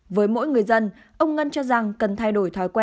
với mỗi người dân ông ngân cho rằng cần thay đổi thói quen